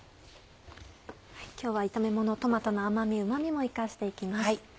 今日は炒めものトマトの甘味うま味も生かして行きます。